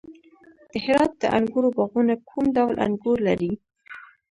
د هرات د انګورو باغونه کوم ډول انګور لري؟